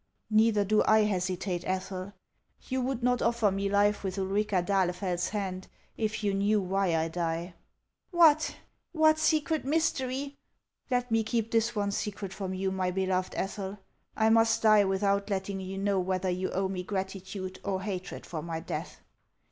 "Neither do I hesitate, Ethel. You would not offer me life with Ulrica d'Ahlefeld's hand if you knew why I die." " What ? What secret mystery " Let me keep this one secret from you, my beloved Ethel. I must die without letting you know whether you owe me gratitude or hatred for my death."